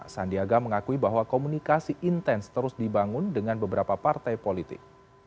sandiaga mengakui bahwa komunikasi intens terus dibangun dengan beberapa partai politik